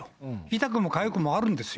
痛くもかゆくもあるんですよ。